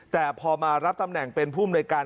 แต่พอมารับตำแหน่งเป็นผู้มนุยการ